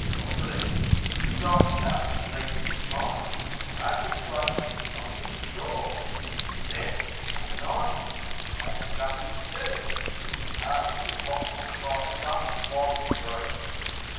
Doreen she brightens up beneath 'is smile, An' 'ugs 'im till I kids I'm gettin' sore. Then, late one night, 'e opens up 'is scheme, An' passes me wot looks like some fond dream.